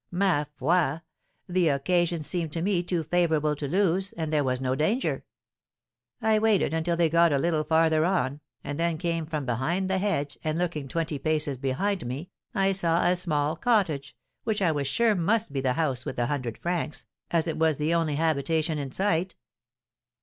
Ma foi! the occasion seemed to me too favourable to lose, and there was no danger. I waited until they got a little farther on, and then came from behind the hedge, and, looking twenty paces behind me, I saw a small cottage, which I was sure must be the house with the hundred francs, as it was the only habitation in sight.